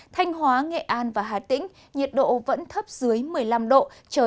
thanh hóa nghệ an và hà tĩnh nhiệt độ vẫn thấp dưới một mươi năm độ